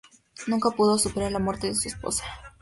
Nunca pudo superar la muerte de su esposa.